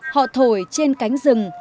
họ thổi trên cánh rừng